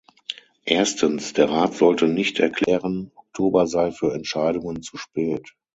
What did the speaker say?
Erstens, der Rat sollte nicht erklären, Oktober sei für Entscheidungen zu spät.